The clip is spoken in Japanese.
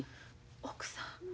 奥さん。